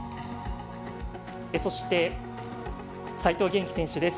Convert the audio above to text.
そして、齋藤元希選手です。